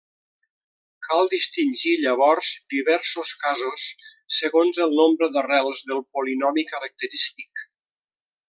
Cal distingir llavors diversos casos, segons el nombre d'arrels del polinomi característic.